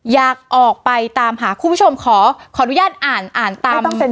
อยากออกไปตามหาคุณผู้ชมขออนุญาตอ่านอ่านตาม